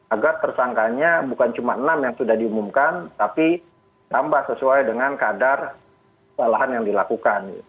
agar tersangkanya bukan cuma enam yang sudah diumumkan tapi tambah sesuai dengan kadar lahan yang dilakukan